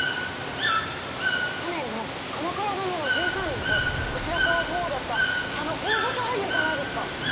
去年の「鎌倉殿の１３人」で後白河法皇だったあの大御所俳優じゃないですか。